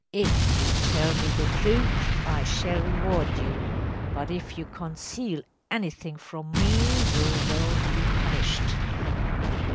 If you tell me the truth I shall reward you; but if you conceal anything from me you will be punished.